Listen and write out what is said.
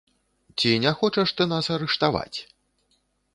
Ці не хочаш ты нас арыштаваць?